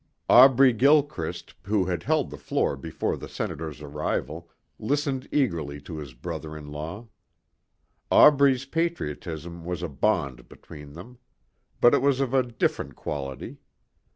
Aubrey Gilchrist, who had held the floor before the Senator's arrival, listened eagerly to his brother in law. Aubrey's patriotism was a bond between them. But it was of a different quality.